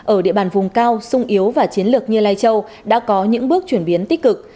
ở địa bàn vùng cao sung yếu và chiến lược như lai châu đã có những bước chuyển biến tích cực